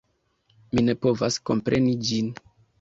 Mi ne povas kompreni ĝin